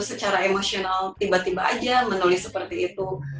secara emosional tiba tiba aja menulis seperti itu